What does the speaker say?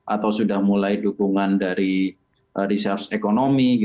atau sudah mulai dukungan dari research ekonomi